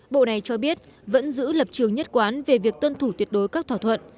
bộ này cho biết vẫn giữ lập trường nhất quán về việc tuân thủ tuyệt đối các thỏa thuận